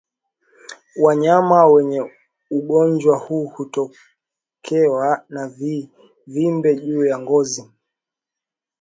Wanyama wenye ugonjwa huu hutokewa na vivimbe juu ya ngozi